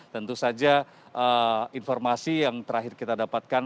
tentu saja informasi yang terakhir kita dapatkan